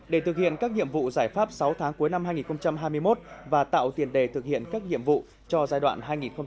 để thực hiện các nhiệm vụ giải pháp sáu tháng cuối năm hai nghìn hai mươi một và tạo tiền đề thực hiện các nhiệm vụ cho giai đoạn hai nghìn hai mươi một hai nghìn hai mươi năm